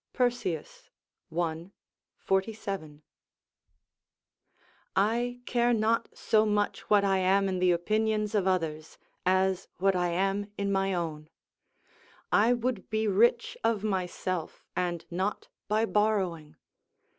Persius, i. 47.] I care not so much what I am in the opinions of others, as what I am in my own; I would be rich of myself, and not by borrowing.